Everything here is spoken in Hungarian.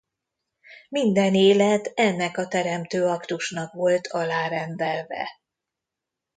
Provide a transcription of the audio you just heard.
Minden élet ennek a teremtő aktusnak volt alárendelve.